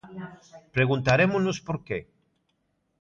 Preguntarémonos por que.